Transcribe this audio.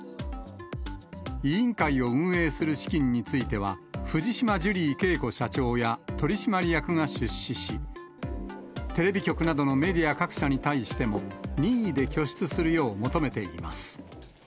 委員会を運営する資金については、藤島ジュリー景子社長や取締役が出資し、テレビ局などのメディア各社に対しても任意で拠出するよう求めています。